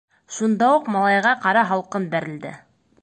Шунда уҡ малайға ҡара һалҡын бәрелде.